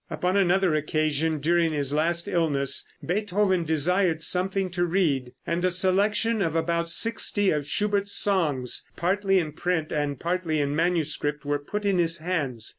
Upon another occasion during his last illness Beethoven desired something to read, and a selection of about sixty of Schubert's songs, partly in print and partly in manuscript, were put in his hands.